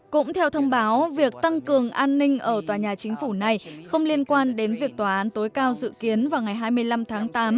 cũng theo thông báo việc tăng cường an ninh ở tòa nhà chính phủ này không liên quan đến việc tòa án tối cao dự kiến vào ngày hai mươi năm tháng tám